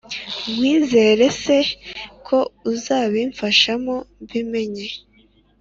nkwizere se ko uzabifashamo mbimenye